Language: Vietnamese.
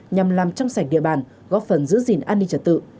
nhằm làm trong sạch địa bàn góp phần giữ gìn an ninh trật tự